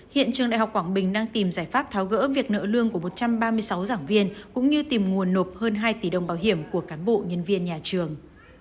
hiện trường đại học quảng bình đang tìm giải pháp tháo gỡ việc nợ lương của một trăm ba mươi sáu giảng viên cũng như tìm nguồn nộp hơn hai tỷ đồng bảo hiểm của cán bộ nhân viên nhà trường